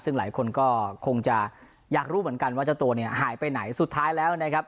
ซึ่งหลายคนก็คงจะอยากรู้เหมือนกันว่าเจ้าตัวเนี่ยหายไปไหนสุดท้ายแล้วนะครับ